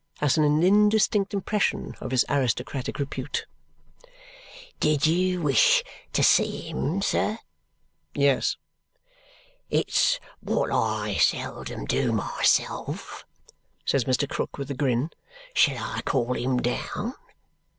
Has an indistinct impression of his aristocratic repute. "Did you wish to see him, sir?" "Yes." "It's what I seldom do myself," says Mr. Krook with a grin. "Shall I call him down?